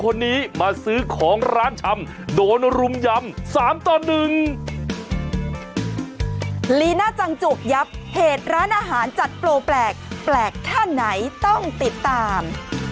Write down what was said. ลีน่าจังจูกยับเหตุร้านอาหารจัดโปรแปลกแปลกแค่ไหนต้องติดตาม